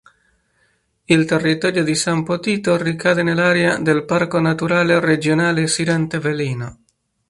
Il territorio di San Potito ricade nell'area del parco naturale regionale Sirente-Velino.